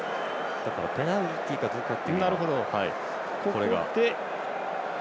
だから、ペナルティかどうかと。